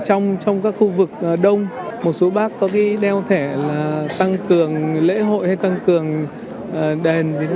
ở trong các khu vực đông một số bác có đeo thẻ tăng cường lễ hội hay tăng cường đền